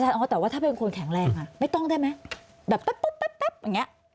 อ๋อแต่ว่าถ้าเป็นคนแข็งแรงไม่ต้องได้ไหมแบบปุ๊บปุ๊บปุ๊บแบบนี้